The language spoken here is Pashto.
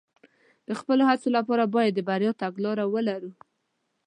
د خپلو هڅو لپاره باید د بریا تګلاره ولرو.